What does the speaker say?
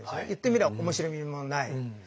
言ってみれば面白みもない。